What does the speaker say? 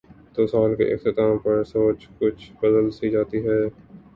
تو سال کے اختتام پر سوچ کچھ بدل سی جاتی ہے۔